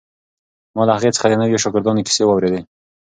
ما له هغې څخه د نویو شاګردانو کیسې واورېدې.